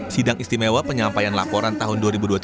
sidang istimewa penyampaian laporan tahun dua ribu dua puluh tiga